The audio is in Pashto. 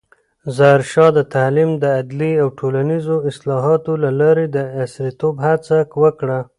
ظاهرشاه د تعلیم، عدلیې او ټولنیزو اصلاحاتو له لارې د عصریتوب هڅه وکړه.